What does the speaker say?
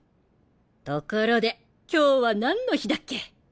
ところで今日はなんの日だっけ？